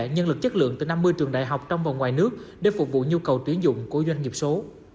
nhân lực chất lượng từ năm mươi trường đại học trong và ngoài nước để phục vụ nhu cầu tuyển dụng của doanh nghiệp số